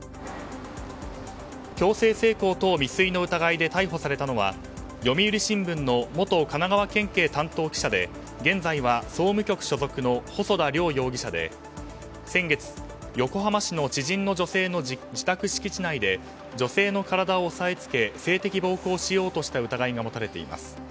強制性交等未遂の疑いで逮捕されたのは読売新聞の元神奈川県警担当記者で現在は総務局所属の細田凌容疑者で先月、横浜市の知人の女性の自宅敷地内で女性の体を押さえつけ性的暴行をしようとした疑いが持たれています。